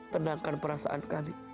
tenangkan perasaan kami